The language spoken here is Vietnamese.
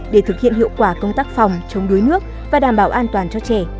để thực hiện hiệu quả công tác phòng chống đuối nước và đảm bảo an toàn cho trẻ